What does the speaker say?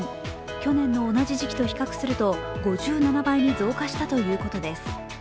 去年の同じ時期と比較すると５７倍に増加したということです。